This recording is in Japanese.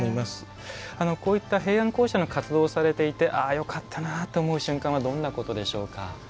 こういった平安講社の活動をされていてよかったなと思う瞬間はどんなところでしょうか？